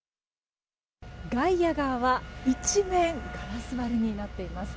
外野側は、一面ガラス張りになっています。